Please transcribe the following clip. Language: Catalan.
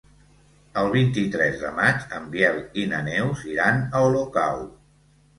El vint-i-tres de maig en Biel i na Neus iran a Olocau.